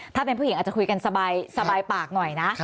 ถ้าเป็นผู้หญิงอาจจะคุยกันสบายปากหน่อยนะ